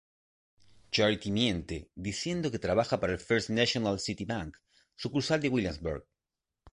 Charity miente, diciendo que trabaja para el First National City Bank, sucursal de Williamsburg.